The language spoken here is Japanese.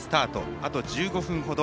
あと１５分ほど。